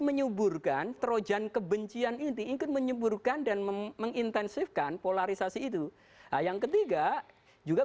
menyuburkan terojan kebencian ini ikut menyuburkan dan mengintensifkan polarisasi itu yang ketiga juga